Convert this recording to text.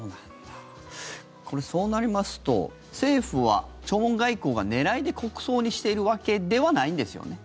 これ、そうなりますと政府は弔問外交が狙いで国葬にしているわけではないんですよね？